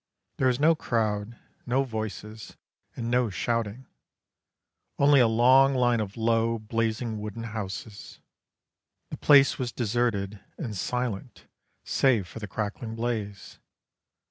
There was no crowd, no voices, and no shouting; only a long line of low, blazing wooden houses. The place was deserted and silent save for the crackling blaze.